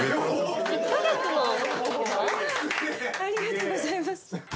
ありがとうございます。